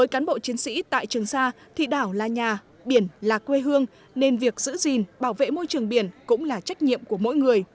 cán bộ chiến sĩ tại trường sa thì đảo là nhà biển là quê hương nên việc giữ gìn bảo vệ môi trường biển cũng là trách nhiệm của mỗi người